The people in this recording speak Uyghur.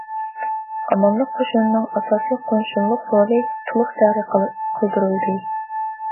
ئامانلىق قۇرۇلۇشىنىڭ ئاساسىي قوشۇنلۇق رولى تولۇق جارى قىلدۇرۇلدى.